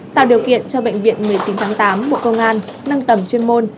tạo điều kiện cho bệnh viện một mươi chín tháng tám bộ công an nâng tầm chuyên môn